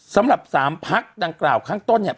สำหรับ๓พักดังกล่าวข้างต้นเนี่ย